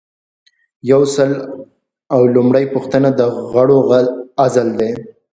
یو سل او لومړۍ پوښتنه د غړو عزل دی.